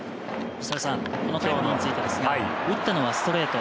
このタイムリーについてですが打ったのはストレート。